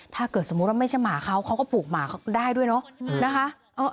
ถ้าเกิดสมมุติว่าไม่ใช่หมาเขาเขาก็ปลูกหมาเขาได้ด้วยเนาะนะคะ